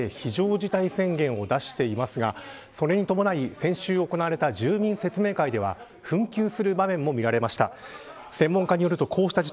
先月には町は財政非常事態宣言を出していますがそれに伴い先週行われた住民説明会では紛糾する場面も見られました。